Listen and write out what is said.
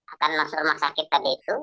akan masuk rumah sakit tadi itu